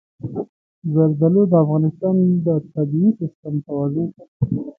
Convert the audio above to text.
زردالو د افغانستان د طبعي سیسټم توازن ساتي.